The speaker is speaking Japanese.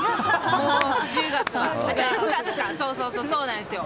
もう１０月は、９月か、そうなんですよ。